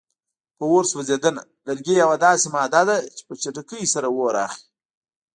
په اور سوځېدنه: لرګي یوه داسې ماده ده چې په چټکۍ سره اور اخلي.